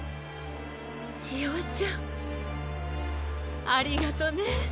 ちえおちゃん！ありがとね。